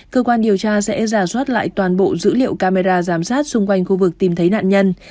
cơ quan điều tra sẽ giả soát lại toàn bộ dữ liệu camera giám sát xung quanh khu vực tìm thấy nạn nhân